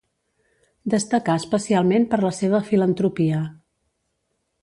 Destacà especialment per la seva filantropia.